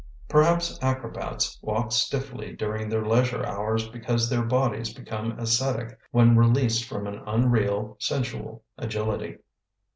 Perhaps acrobats walk stiffly during their leisure hours because their bodies become ascetic when released from an unreal, sensual agility.